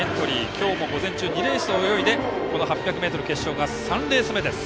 今日も午前中２レースを泳いで８００ｍ決勝が３レース目です。